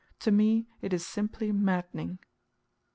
To me it is simply maddening.